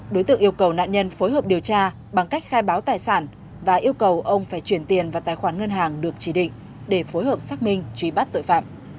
đối tượng yêu cầu nạn nhân phối hợp điều tra bằng cách khai báo tài sản và yêu cầu ông phải chuyển tiền vào tài khoản ngân hàng được chỉ định để phối hợp xác minh truy bắt tội phạm